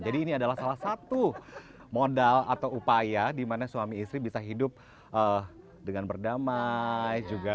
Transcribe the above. jadi ini adalah salah satu modal atau upaya dimana suami istri bisa hidup dengan berdamai